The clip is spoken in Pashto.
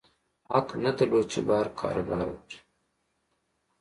حق نه درلود چې بهر کاروبار وکړي.